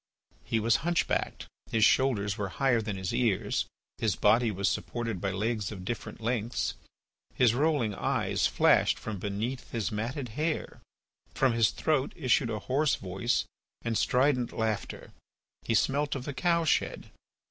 He was hunch backed; his shoulders were higher than his ears; his body was supported by legs of different lengths; his rolling eyes flashed, from beneath his matted hair. From his throat issued a hoarse voice and strident laughter; he smelt of the cow shed.